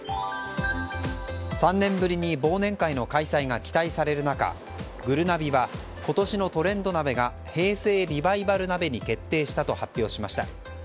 ３年ぶりに忘年会の開催が期待される中ぐるなびは、今年のトレンド鍋が平成リバイバル鍋に決定したと発表しました。